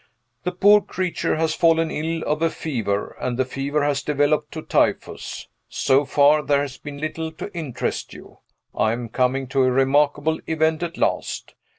The poor creature has fallen ill of a fever, and the fever has developed to typhus. So far, there has been little to interest you I am coming to a remarkable event at last.